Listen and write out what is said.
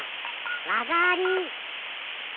わざあり！